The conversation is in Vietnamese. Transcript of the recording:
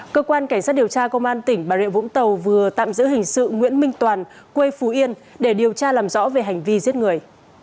cơ quan cảnh sát điều tra công an tỉnh bà rịa vũng tàu vừa tạm giữ hình sự nguyễn minh toàn quê phú yên để điều tra làm rõ về hành vi giết người